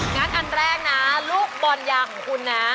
อันแรกนะลูกบอลยาของคุณนะ